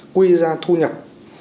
quy ra thu nhập